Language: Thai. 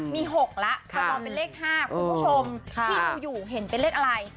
มี๖แล้วแต่มองเป็นเลข๕คุณผู้ชมที่ดูอยู่เห็นเป็นเลขอะไร